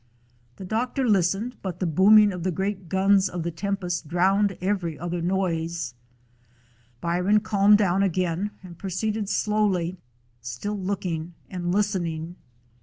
The doctor listened, but the booming of the great guns of the tempest 143 DOG HEROES OF MANY LANDS drowned every other noise. Byron calmed down again and proceeded slowly, still look ing and listening.